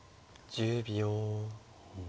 １０秒。